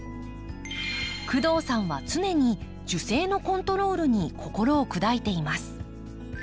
工藤さんは常に樹勢のコントロールに心を砕いています。